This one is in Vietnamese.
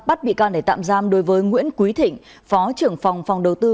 bắt bị can để tạm giam đối với nguyễn quý thịnh phó trưởng phòng phòng đầu tư